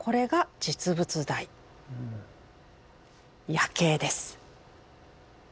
「夜警」です。